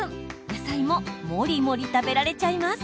野菜も、もりもり食べられちゃいます。